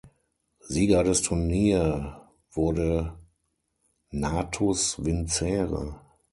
Sieger des Turnier wurde Natus Vincere.